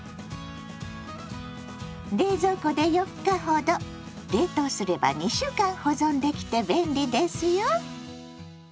冷蔵庫で４日ほど冷凍すれば２週間保存できて便利ですよ。